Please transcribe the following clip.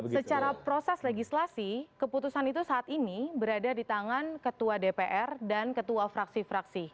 secara proses legislasi keputusan itu saat ini berada di tangan ketua dpr dan ketua fraksi fraksi